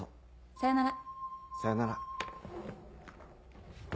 さよなら。